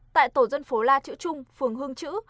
tại tổ dân phố la chữ trung phường hương chữ